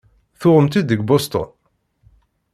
Tuɣem-tt-id deg Boston?